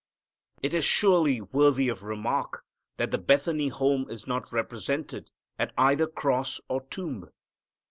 It is surely worthy of remark that the Bethany home is not represented at either cross or tomb.